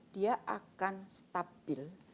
dia akan stabil